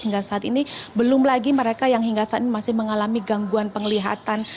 hingga saat ini belum lagi mereka yang hingga saat ini masih mengalami gangguan penglihatan